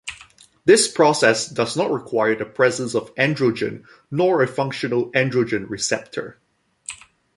This process does not require the presence of androgen, nor a functional androgen receptor.